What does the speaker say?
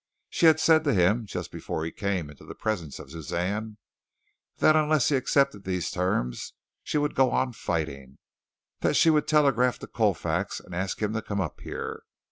She had said to him just before he came into the presence of Suzanne that unless he accepted these terms she would go on fighting that she would telegraph to Colfax and ask him to come up here.